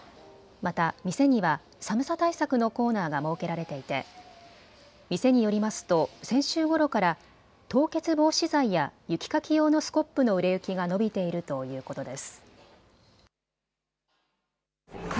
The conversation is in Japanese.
また、店には寒さ対策のコーナーが設けられていて店によりますと先週ごろから凍結防止剤や雪かき用のスコップの売れ行きが伸びているということです。